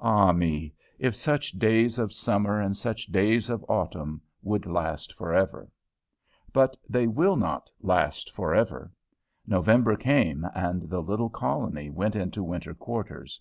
Ah me! if such days of summer and such days of autumn would last forever! But they will not last forever. November came, and the little colony went into winter quarters.